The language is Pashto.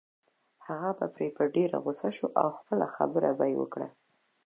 هغه به پرې په ډېره غصه شو او خپله خبره به يې وکړه.